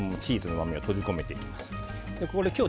チーズを閉じ込めていきます。